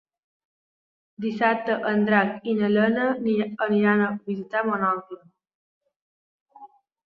Dissabte en Drac i na Lena aniran a visitar mon oncle.